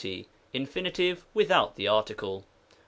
iKmonvE without the Article.